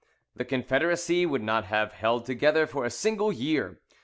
The Confederacy would not have held together for a single year.